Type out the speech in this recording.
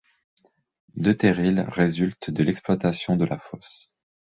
Deux terrils résultent de l'exploitation de la fosse.